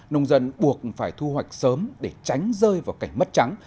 nông dân buộc phải thu hoạch sớm để tránh rơi vào cảnh mất trắng